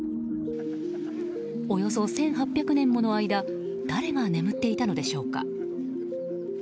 およそ１８００年もの間誰が眠っていたのでしょうか。